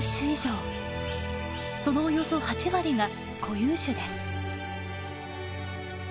そのおよそ８割が固有種です。